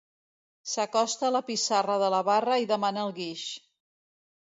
S'acosta a la pissarra de la barra i demana el guix.